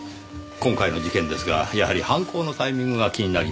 今回の事件ですがやはり犯行のタイミングが気になります。